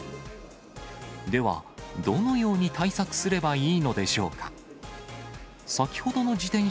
では、どのように対策すればいいのでしょうか。